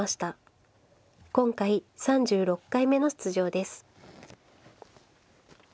今回３６回目の出場です。